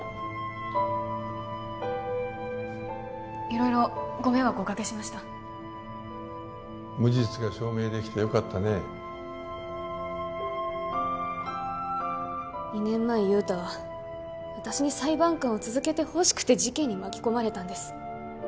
色々ご迷惑おかけしました無実が証明できてよかったね２年前雄太は私に裁判官を続けてほしくて事件に巻き込まれたんです